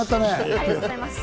ありがとうございます。